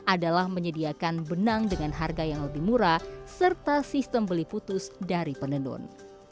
adalah menyediakan benang dengan harga yang lebih murah serta sistem beli putus dari penenun